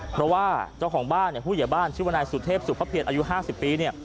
เพราะว่าเจ้าของบ้านผู้เหยียบ้านชื่อวนายสุทธิพรสุพเภียนอายุ๕๐ปี